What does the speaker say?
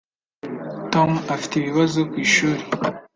Tom afite ibibazo kwishuri.